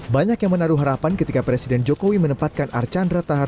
banyak yang menaruh harapan ketika presiden jokowi menempatkan archandra tahar